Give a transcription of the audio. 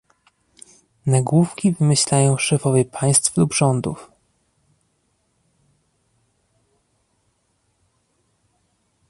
Nagłówki wymyślają szefowie państw lub rządów